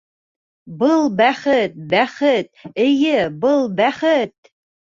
Был бәхет, бәхет, эйе, был бәхет!